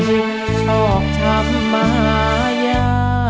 ลุกหนึ่งเขาตรองใจชอบทำมหายา